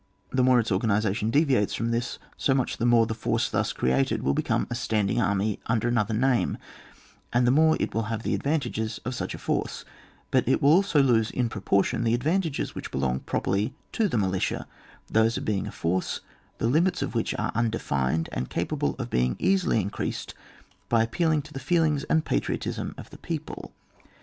The more its organisation deviates from this, so much the more the force thus created will become a stand ing army under another name, and the more it will have the advantages of such a force; but it will also lose in proportion the advantages which belong properly to the militia, those of being a force, the limits of which are undefined, and cap able of being easily increased by appeal ing to the feelings and patriotism of the people.